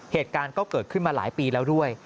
เหตุการณ์ก็เกิดขึ้นมาหลายปีแล้วด้วย